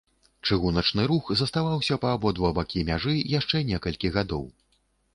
Чыгуначны рух заставаўся па абодва бакі мяжы яшчэ некалькі гадоў.